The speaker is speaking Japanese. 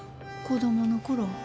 子供の頃。